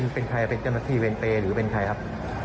เป็นใครเป็นเจ้าหน้าที่เวรเปย์หรือเป็นใครครับ